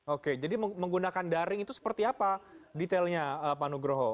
oke jadi menggunakan daring itu seperti apa detailnya pak nugroho